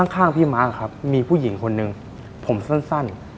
ข้างพี่ม้าครับมีผู้หญิงคนหนึ่งผมสั้น